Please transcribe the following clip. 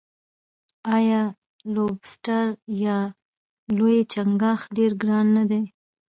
آیا لوبسټر یا لوی چنګاښ ډیر ګران نه دی؟